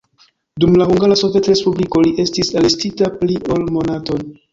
Dum la Hungara Sovetrespubliko li estis arestita pli ol monaton.